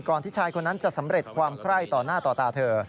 ที่ชายคนนั้นจะสำเร็จความไคร้ต่อหน้าต่อตาเธอ